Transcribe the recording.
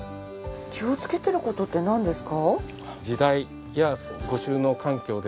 気をつけてる事ってなんですか？